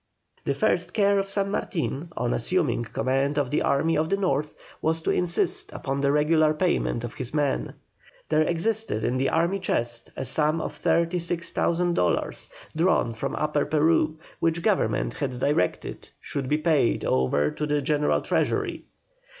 The first care of San Martin, on assuming command of the army of the North, was to insist upon the regular payment of his men. There existed in the army chest a sum of thirty six thousand dollars, drawn from Upper Peru, which Government had directed should be paid over to the General Treasury.